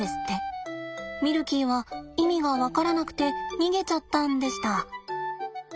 ミルキーは意味が分からなくて逃げちゃったんでした。